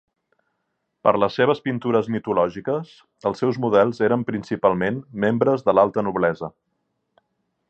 Per les seves pintures mitològiques els seus models eren principalment membres de l'alta noblesa.